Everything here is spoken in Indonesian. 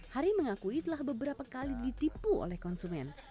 hari mengakui telah beberapa kali ditipu oleh konsumen